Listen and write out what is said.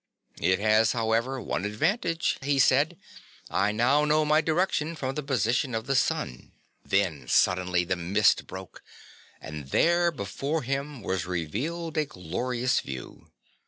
"It has, however, one advantage," he said; "I now know my direction from the position of the sun." Then suddenly the mist broke and there before him was revealed a glorious view.